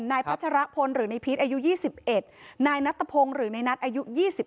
นายพัชรพลหรือในพีทอายุ๒๑นายนัตตะพงหรือในนัตอายุ๒๖